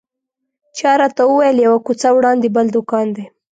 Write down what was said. چا راته وویل یوه کوڅه وړاندې بل دوکان دی.